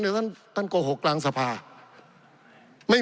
ปี๑เกณฑ์ทหารแสน๒